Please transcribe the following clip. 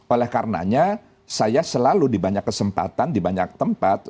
oleh karenanya saya selalu di banyak kesempatan di banyak tempat